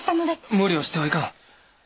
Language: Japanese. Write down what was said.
無理をしてはいかん。